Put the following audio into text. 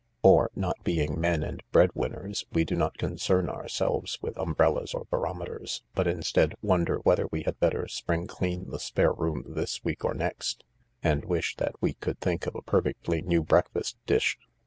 Or, not being men and bread winners, we do not concern ourselves with umbrellas or baro meters, but, instead, wonder whether we had better spring clean the spare room this week or next, and wish that we could think of a perfectly new breakfast dish.